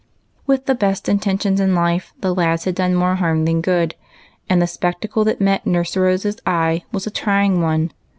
With the best intentions in life, the lads had done more harm than good, and the spectacle that met Nurse Rose's eye was a trying one.